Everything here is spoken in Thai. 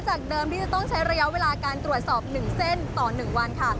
จากเดิมที่จะต้องใช้ระยะเวลาการตรวจสอบ๑เส้นต่อ๑วันค่ะ